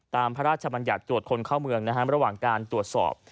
พระราชบัญญัติตรวจคนเข้าเมืองระหว่างการตรวจสอบ